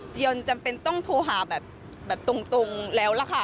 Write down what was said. จำเป็นต้องโทรหาแบบตรงแล้วล่ะค่ะ